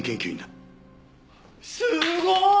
すごい！